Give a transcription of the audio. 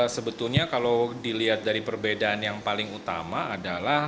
sebetulnya kalau dilihat dari perbedaan yang paling utama adalah